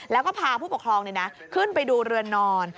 แล้วก็พาผู้ปกครองขึ้นไปดูเรือนนอน